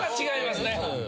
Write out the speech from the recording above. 違いますね。